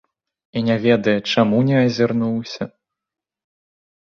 І не ведае, чаму не азірнуўся.